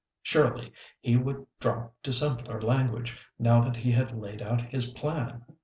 Surely he would drop to simpler language, now that he had laid out his plan.